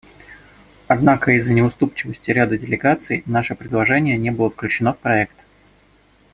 Однако из-за неуступчивости ряда делегаций наше предложение не было включено в проект.